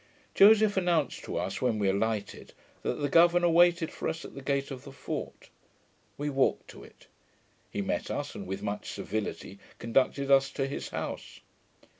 Joseph announced to us, when we alighted, that the governour waited for us at the gate of the fort. We walked to it. He met us, and with much civility conducted us to his house.